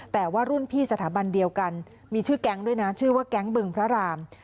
แต่ว่ารุ่นพี่สถาบันเดียวกันมีชื่อแก๊งด้วยนะชื่อว่าแก๊งบึงพระราม